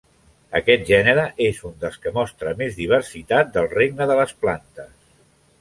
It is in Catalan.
Aquest gènere és un dels que mostra més diversitat del regne de les plantes.